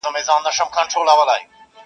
بل زورور دي په ښارونو کي په دار کي خلک-